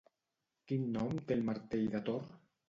Quin nom té el martell de Thor?